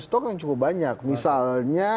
stok yang cukup banyak misalnya